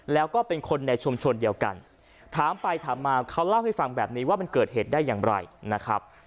แล้วก็เป็นคนในชุมชนเดียวกันถามไปถามมาเขาเล่าให้ฟังแบบนี้ว่ามันเกิดเหตุได้อย่างไรนะครับ